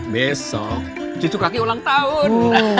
besok cucu kaki ulang tahun